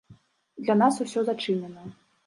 Для нас усё зачынена.